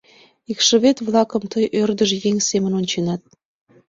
Икшывет-влакым тый ӧрдыж еҥ семын онченат.